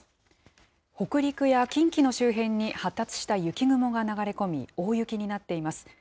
北陸や近畿の周辺に発達した雪雲が流れ込み、大雪になっています。